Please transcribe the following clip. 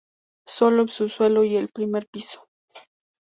Sólo el subsuelo y el primer piso.